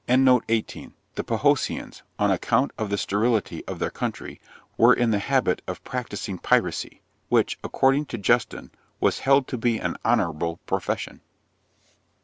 The Phoceans, on account of the sterility of their country, were in the habit of practising piracy, which, according to Justin, was held to be an honourable profession.